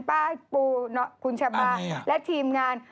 ป้าปูขุนชบะและทีมงาน